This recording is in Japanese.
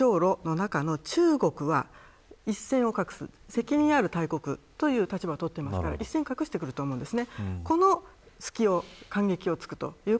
だけれども、中朝露の中の中国は一線を画す責任ある大国という立場をとっていますから一線を画してくると思います。